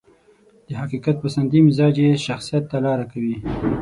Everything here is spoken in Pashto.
د حقيقت پسندي مزاج يې شخصيت ته لاره کوي.